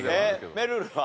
めるるは？